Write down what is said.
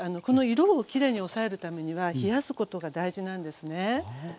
この色をきれいにおさえるためには冷やすことが大事なんですね。